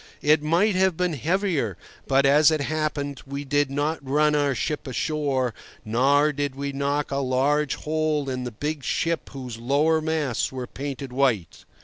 It might have been even heavier, but, as it happened, we did not run our ship ashore, nor did we knock a large hole in the big ship whose lower masts were painted white.